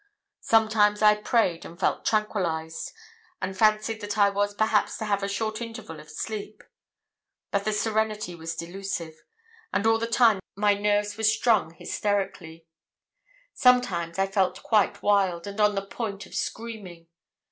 Sometimes I prayed, and felt tranquillised, and fancied that I was perhaps to have a short interval of sleep. But the serenity was delusive, and all the time my nerves were strung hysterically. Sometimes I felt quite wild, and on the point of screaming.